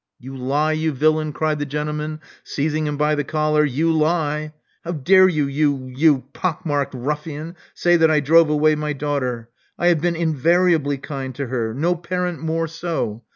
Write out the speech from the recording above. You lie, you villain," cried the gentleman, seizing him by the collar, you lie. How dare you, you — you — ^pock marked ruffian, say that I drove away my daughter? I have been invariably kind to her — no parent more so.